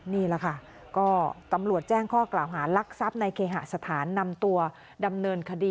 นี่แหละค่ะก็ตำรวจแจ้งข้อกราวหารักษัพในเคหสถาน